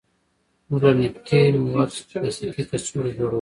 موږ له نفتي موادو څخه پلاستیکي کڅوړې جوړوو.